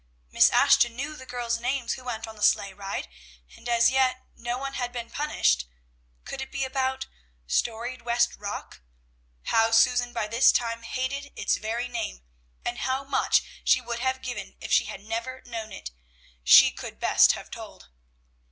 Miss Ashton knew the girls' names who went on the sleigh ride, and as yet no one had been punished. Could it be about "Storied West Rock"? How Susan by this time hated its very name, and how much she would have given if she had never known it, she could best have told.